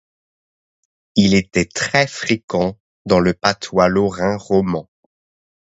Il était très fréquent dans le patois lorrain roman.